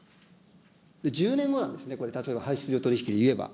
１０年後なんですね、これ、例えば排出量取り引きで言えば。